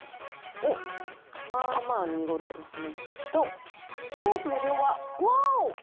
おっ、まあまあ濁ってますね。